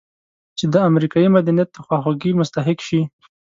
چې د امریکایي مدنیت د خواخوږۍ مستحق شي.